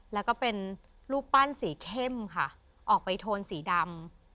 แล้วก็เป็นรูปปั้นสีเข้มค่ะออกไปโทนสีดำ